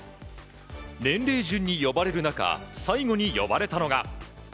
年齢順に呼ばれる中最後に呼ばれたのが。